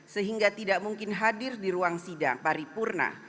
sehingga tidak mungkin hadir di ruang sidang paripurna